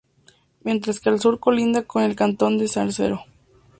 Mientras que al sur colinda con el cantón de Zarcero.